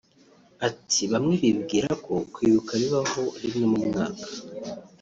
Ati “Bamwe bibwira ko kwibuka bibaho rimwe mu mwaka